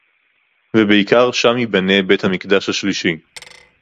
ובעיקר שם ייבנה בית-המקדש השלישי